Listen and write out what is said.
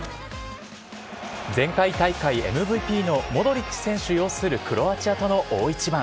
前回大会ＭＶＰのモドリッチ選手擁するクロアチアとの大一番。